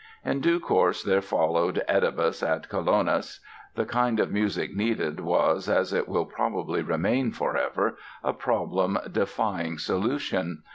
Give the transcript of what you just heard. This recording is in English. In due course there followed "Oedipus at Colonos". The kind of music needed was, as it will probably remain forever, a problem defying solution.